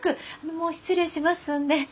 もう失礼しますんで。